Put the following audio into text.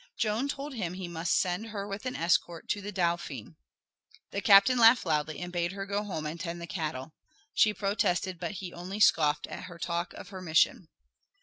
Joan told him he must send her with an escort to the Dauphin. The captain laughed loudly and bade her go home and tend the cattle. She protested, but he only scoffed at her talk of her mission.